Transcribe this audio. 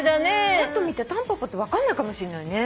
ぱっと見てタンポポって分かんないかもしんないね。